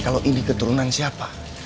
kalau ini keturunan siapa